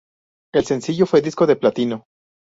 El sencillo fue disco de platino.